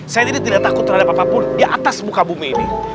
saya tidak takut terhadap apapun di atas muka bumi ini